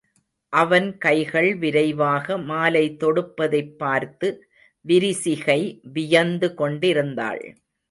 அவன் கைகள் விரைவாக மாலை தொடுப்பதைப் பார்த்து விரிசிகை வியந்து கொண்டிருந்தாள்.